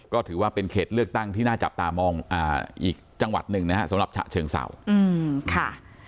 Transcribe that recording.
ก็ถือว่าเป็นเขตเลือกตั้งที่น่าจับตามองอีกจังหวัดหนึ่งนะฮะสำหรับฉะเชิงเศร้าค่ะ